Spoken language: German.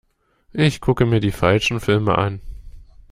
Ich gucke mir die falschen Filme an.